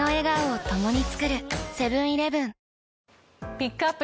ピックアップ